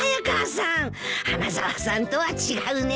花沢さんとは違うね。